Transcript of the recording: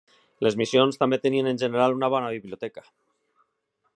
Les missions també tenien en general una bona biblioteca.